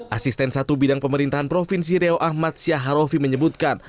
asisten satu bidang pemerintahan provinsi riau ahmad syaharofi menyebutkan